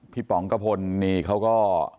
ป๋องกระพลนี่เขาก็